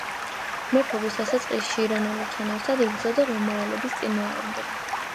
მეფობის დასაწყისში ირანელებთან ერთად იბრძოდა რომაელების წინააღმდეგ.